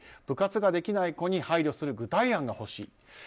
部活ができない子に配慮する具体案が欲しい。